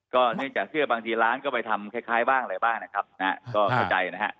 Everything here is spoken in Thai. เนื่องจากเสื้อบางทีร้านก็ไปทำคล้ายบ้างอะไรบ้างนะครับนะฮะก็เข้าใจนะฮะ